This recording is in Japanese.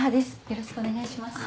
よろしくお願いします。